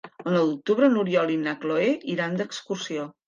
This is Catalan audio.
El nou d'octubre n'Oriol i na Cloè iran d'excursió.